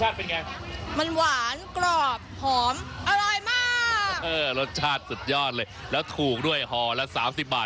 หอมอร่อยมากเออรสชาติสุดยอดเลยแล้วถูกด้วยหอละสามสิบบาท